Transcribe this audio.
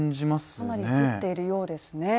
かなり降っているようですね。